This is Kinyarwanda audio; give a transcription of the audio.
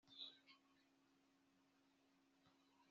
amahirwe arenze ayo yavahe se